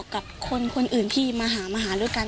กับคนอื่นที่มาหามาหาด้วยกัน